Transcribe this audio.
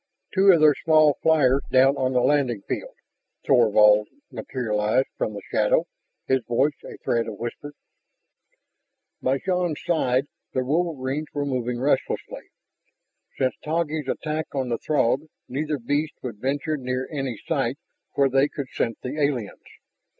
"Two of their small flyers down on the landing field...." Thorvald materialized from the shadow, his voice a thread of whisper. By Shann's side the wolverines were moving restlessly. Since Taggi's attack on the Throg neither beast would venture near any site where they could scent the aliens.